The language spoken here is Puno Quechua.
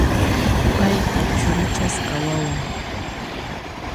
Payqa churichasqa wawan.